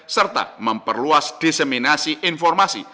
serta memperluas diseminasi informasi